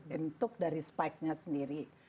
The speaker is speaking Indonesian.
bentuk dari spike nya sendiri